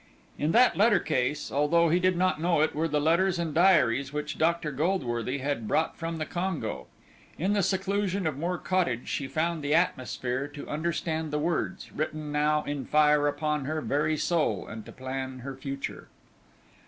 In that letter case, although he did not know it, were the letters and diaries which Dr. Goldworthy had brought from the Congo. In the seclusion of Moor Cottage she found the atmosphere to understand the words, written now in fire upon her very soul, and to plan her future.